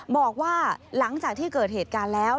บอกว่าหลังจากที่เกิดเหตุการณ์แล้ว